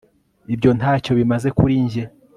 ibyo ntacyo bimaze kuri njye